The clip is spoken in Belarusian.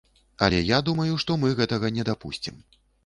Але я думаю, што мы гэтага не дапусцім.